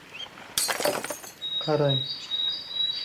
Qarang!